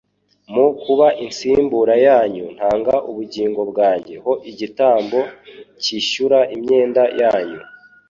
Mu kuba insimbura yanyu ntanga ubugingo bwanjye ho igitambo nkishyura imyenda yanyu